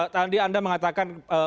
tadi anda mengatakan